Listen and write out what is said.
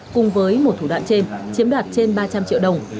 cùng với một thủ đoạn trên chiếm đoạt trên ba trăm linh triệu đồng